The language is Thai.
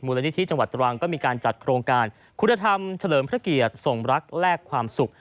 ละนิธิจังหวัดตรังก็มีการจัดโครงการคุณธรรมเฉลิมพระเกียรติสมรักแลกความสุข